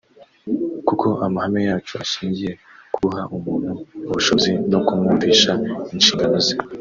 kuko amahame yacu ashingiye ku guha umuntu ubushobozi no kumwumvisha inshingano ze